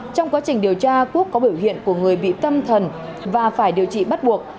trong quá trình điều tra quốc có biểu hiện của người bị tâm thần và phải điều trị bắt buộc